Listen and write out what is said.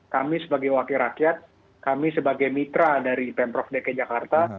kami sebagai wakil rakyat kami sebagai mitra dari pemprov dki jakarta